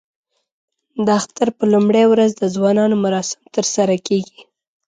د اختر په لومړۍ ورځ د ځوانانو مراسم ترسره کېږي.